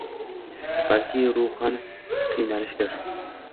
balki ruhan qiynalishdir.